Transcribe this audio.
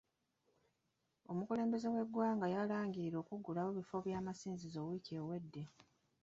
Omukulembeze w'eggwanga yalangirira okugulawo ebifo by'amasinzizo wiiki ewedde.